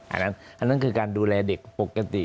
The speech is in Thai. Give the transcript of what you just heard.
อันนั้นคือการดูแลเด็กปกติ